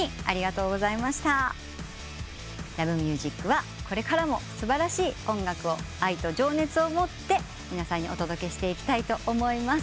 『Ｌｏｖｅｍｕｓｉｃ』はこれからも素晴らしい音楽を愛と情熱をもって皆さんにお届けしていきたいと思います。